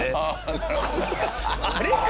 あれか！？